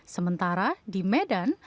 sementara di medan